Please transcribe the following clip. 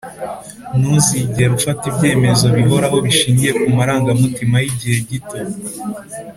ntuzigere ufata ibyemezo bihoraho bishingiye kumarangamutima yigihe gito